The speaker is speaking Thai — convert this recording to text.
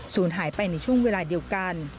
หายไปในช่วงเวลาเดียวกัน